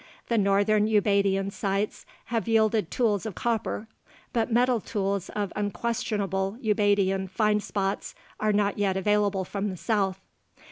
The northern Ubaidian sites have yielded tools of copper, but metal tools of unquestionable Ubaidian find spots are not yet available from the south.